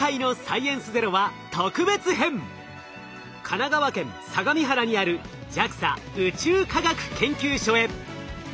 神奈川県相模原にあるＪＡＸＡ宇宙科学研究所へ！